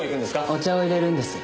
お茶をいれるんです。